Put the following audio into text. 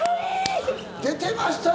出てましたね！